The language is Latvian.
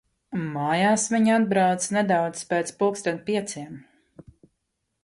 Mājās viņa atbrauca nedaudz pēc pulksten pieciem.